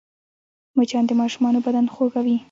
مچان د ماشومانو بدن خوږوي